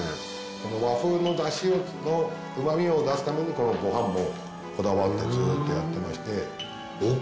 この和風の出汁の旨みを出すためにこのごはんもこだわって作ってやってまして。